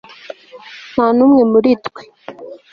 nta n'umwe muri twe